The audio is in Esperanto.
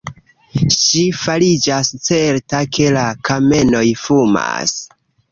Ŝi fariĝas certa, ke la kamenoj fumas.